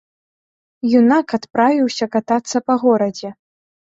Юнак адправіўся катацца па горадзе.